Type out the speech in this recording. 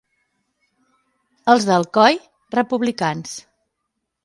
Els d'Alcoi, republicans.